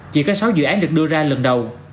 chỉ có sáu dự án được đưa ra lần đầu